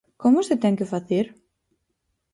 ¿Como se ten que facer?